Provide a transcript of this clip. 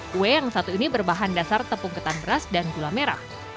kue yang satu ini berbahan dasar tepung ketan beras dan gula merah